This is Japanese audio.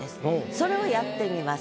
それをやってみます。